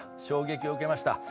衝撃を受けました。